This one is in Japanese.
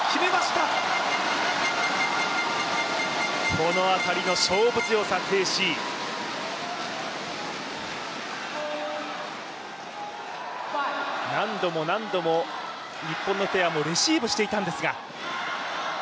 この辺りの勝負強さ、鄭思緯何度も何度も日本のペアもレシーブしていたんですが。